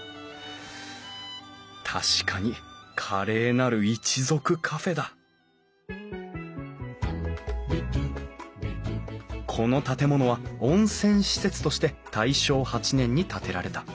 確かに「華麗なる一族カフェ」だこの建物は温泉施設として大正８年に建てられた。